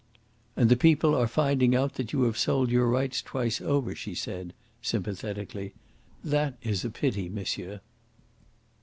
"And the people are finding out that you have sold your rights twice over," she said sympathetically. "That is a pity, monsieur."